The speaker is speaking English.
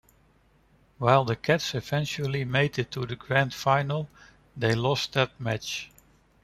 While the Cats eventually made it to the grand final, they lost that match.